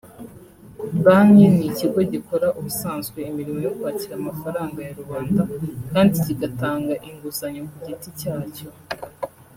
Banki ni ikigo gikora ubusanzwe imirimo yo kwakira amafaranga ya rubanda kandi kigatanga inguzanyo ku giti cyacyo